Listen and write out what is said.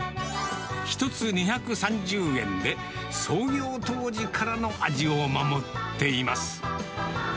１つ２３０円で、創業当時からの味を守っています。